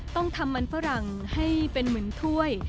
ต้องทำมันฝรั่งให้เป็นเหมือนถ้วย